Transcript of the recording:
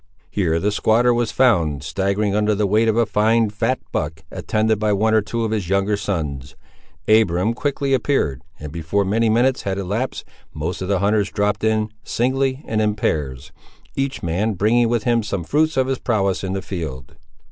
Here the squatter was found, staggering under the weight of a fine fat buck, attended by one or two of his younger sons. Abiram quickly appeared, and before many minutes had elapsed, most of the hunters dropped in, singly and in pairs, each man bringing with him some fruits of his prowess in the field.